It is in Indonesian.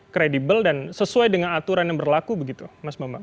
kredibel dan sesuai dengan aturan yang berlaku begitu mas bambang